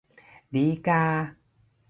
ดีก่า